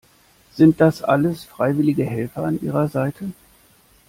Sind das alles freiwillige Helfer an ihrer Seite?